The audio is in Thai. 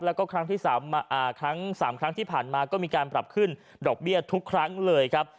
แล้วก็ครั้งที่๓ครั้งที่ผ่านมาก็มีการปรับขึ้นดอกเบี้ยทุกครั้งเลยครับ